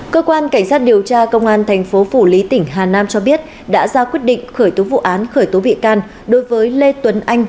cơ quan cảnh sát điều tra công an thành phố phủ lý tỉnh hà nam cho biết đã ra quyết định khởi tố vụ án khởi tố bị can đối với lê tuấn anh